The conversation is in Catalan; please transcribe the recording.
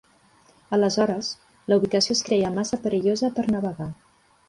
Aleshores, la ubicació es creia massa perillosa per navegar.